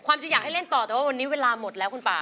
จะอยากให้เล่นต่อแต่ว่าวันนี้เวลาหมดแล้วคุณป่า